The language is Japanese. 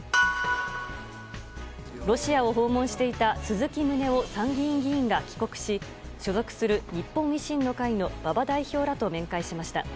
ロシアを訪問していた鈴木宗男参議院議員が帰国し所属する日本維新の会の馬場代表らと面会しました。